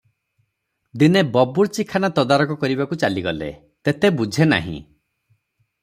ଦିନେ ବବୁର୍ଚିଖାନା ତଦାରକ କରିବାକୁ ଚାଲିଗଲେ | ତେତେ- ବୁଝେ ନାହିଁ ।